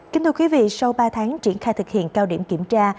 kính thưa quý vị sau ba tháng triển khai thực hiện cao điểm kiểm tra